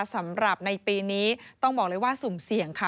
สำหรับในปีนี้ต้องบอกเลยว่าสุ่มเสี่ยงค่ะ